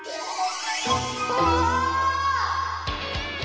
うわ！